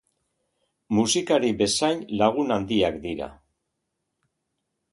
Musikari bezain lagun handiak dira.